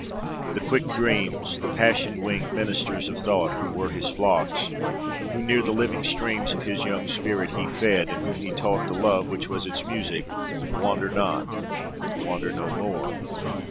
The quick Dreams, the passion winged ministers of thought, who were his flocks, whom near the living streams of his young spirit he fed, and whom he taught the love which was its music, wander not, wander no more....